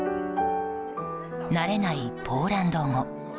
慣れないポーランド語。